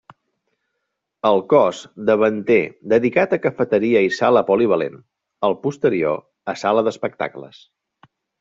El cos davanter dedicat a cafeteria i sala polivalent, el posterior a sala d'espectacles.